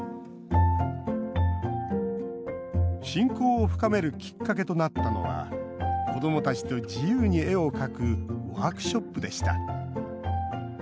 親交を深めるきっかけとなったのは子どもたちと自由に絵を描くワークショップでした。